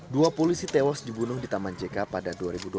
dua polisi tewas dibunuh di taman jk pada dua ribu dua belas